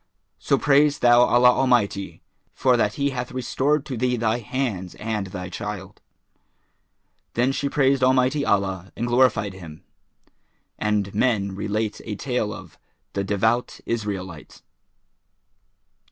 [FN#413] So praise thou Allah Almighty for that He hath restored to thee thy hands and thy child." Then she praised Almighty Allah and glorified Him. And men relate a tale of THE DEVOUT ISRAELITE.